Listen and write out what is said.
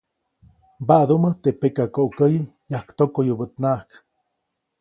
Mbaʼdumäjt teʼ pekakoʼkäyi yajktokoyubäʼtnaʼajk.